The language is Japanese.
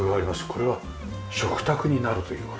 これは食卓になるという事。